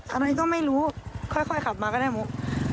อะไรก็ไม่รู้ค่อยขับมาก็ได้หมด